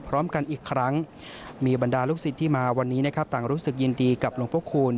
พร้อมกันอีกครั้งมีบรรดาลูกศิษย์ที่มาวันนี้นะครับต่างรู้สึกยินดีกับหลวงพระคูณ